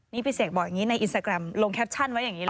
นี่พี่เสกบอกอย่างนี้ในอินสตาแกรมลงแคปชั่นไว้อย่างนี้เลย